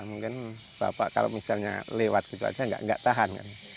mungkin bapak kalau misalnya lewat gitu aja enggak tahan